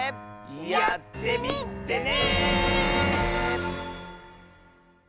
やってみてね！